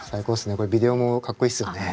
これビデオもかっこいいっすよね。